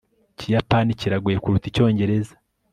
ikiyapani kiragoye kuruta icyongereza